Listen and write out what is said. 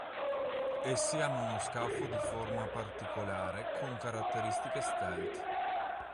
Essi hanno uno scafo di forma particolare con caratteristiche stealth.